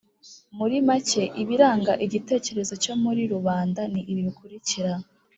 Muri make ibiranga igitekerezo cyo muri rubanda ni ibi bikurikira